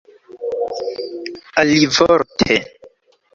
alivorte